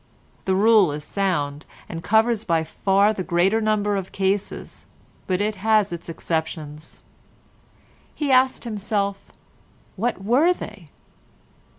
The rule is sound, and covers by far the greater number of cases, but it has its exceptions. He asked himself, what were they?